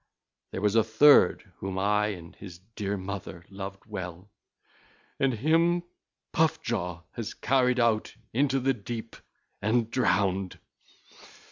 There was a third whom I and his dear mother loved well, and him Puff jaw has carried out into the deep and drowned.